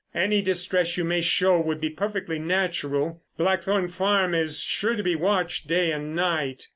Any distress you may show would be perfectly natural. Blackthorn Farm is sure to be watched day and night.